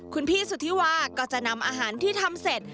คุณพี่สุธิวาก็จะนำอาหารที่ทำเสร็จ